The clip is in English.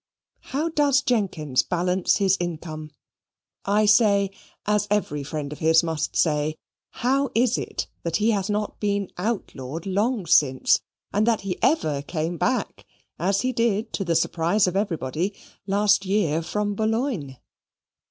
How does Jenkins balance his income? I say, as every friend of his must say, How is it that he has not been outlawed long since, and that he ever came back (as he did to the surprise of everybody) last year from Boulogne?